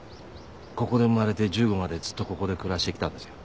ここで生まれて１５までずっとここで暮らしてきたんですよ。